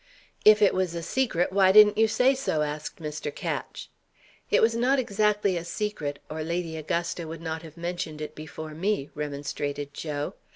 "If it was a secret, why didn't you say so?" asked Mr. Ketch. "It was not exactly a secret, or Lady Augusta would not have mentioned it before me," remonstrated Joe.